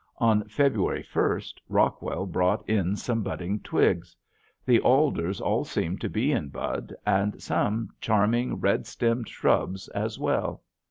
On February first Rockwell brought in some budding twigs. The alders all seem to be in bud and some charming, red stemmed shrubs as well.